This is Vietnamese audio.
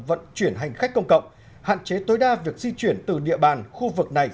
vận chuyển hành khách công cộng hạn chế tối đa việc di chuyển từ địa bàn khu vực này